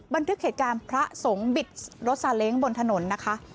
บันทึกเหตุการณ์พระสงฆ์บิดรถซาเล้งบนถนนนะคะ